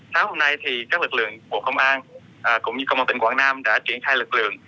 sau hôm nay thì các lực lượng của công an cũng như công an tỉnh quảng nam đã chuyển khai lực lượng